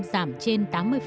giảm trên tám mươi